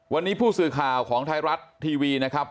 วันนี้ผู้สื่อข่าวของไทยรัฐทีวีนะครับ